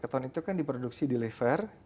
keton itu kan diproduksi di liver